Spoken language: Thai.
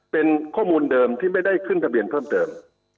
เป็นข้อมูลเดิมที่ไม่ได้ขึ้นทะเบียนเพิ่มเติม